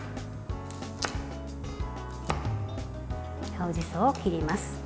青じそを切ります。